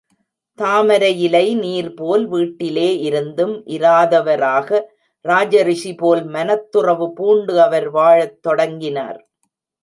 தாமரையிலை நீர்போல், வீட்டிலே இருந்தும் இராதவராக ராஜரிஷிபோல், மனத்துறவு பூண்டு அவர் வாழத் தொடங்கினார்.